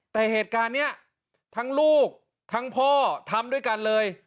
แต่เหตุการณ์นี้ทั้งลูกทั้งพ่อทำด้วยกันเลย